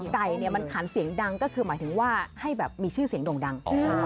ไก่มันขันเสียงดังก็คือหมายถึงว่าให้แบบมีชื่อเสียงโด่งดัง